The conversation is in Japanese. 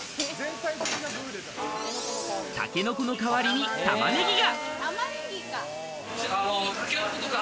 タケノコの代わりに玉ねぎが。